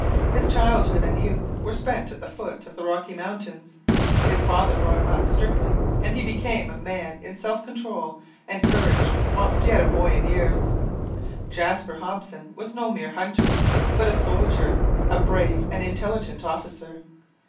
His childhood and youth were spent at the foot of the Rocky Mountains. His father brought him up strictly, and he became a man in self control and courage whilst yet a boy in years. Jaspar Hobson was no mere hunter, but a soldier, a brave and intelligent officer.